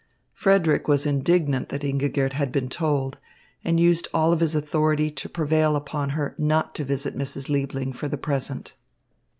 Frederick was indignant that Ingigerd had been told, and used all his authority to prevail upon her not to visit Mrs. Liebling for the present.